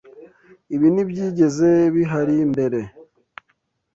Ibi ntibyigeze bihari mbere.